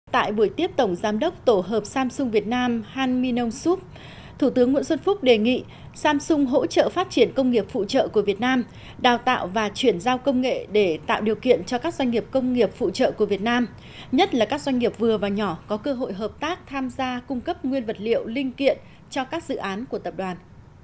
tại buổi tiếp tổng giám đốc tổ hợp samsung việt nam han min ong sub thủ tướng nguyễn xuân phúc đề nghị samsung hỗ trợ phát triển công nghiệp phụ trợ của việt nam đào tạo và chuyển giao công nghệ để tạo điều kiện cho các doanh nghiệp công nghiệp phụ trợ của việt nam nhất là các doanh nghiệp vừa và nhỏ có cơ hội hợp tác tham gia cung cấp nguyên vật liệu linh kiện cho các dự án của tập đoàn